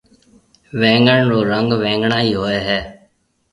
وينگڻ رو رنگ وينگڻائي هوئي هيَ۔